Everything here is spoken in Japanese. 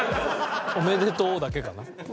「おめでとう」だけかな？